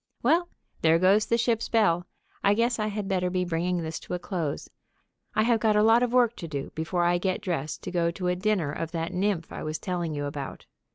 Well, there goes the ship's bell. I guess I had better be bringing this to a close. I have got a lot of work to do before I get dressed to go to a dinner of that nymph I was telling you about.